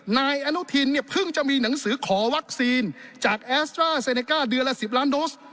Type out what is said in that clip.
นายอนุทินเนี่ยเพิ่งจะมีหนังสือขอวัคซีนจากแอสตราเซเนก้าเดือนละ๑๐ล้านโดส